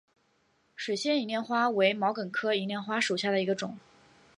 水仙银莲花为毛茛科银莲花属下的一个种。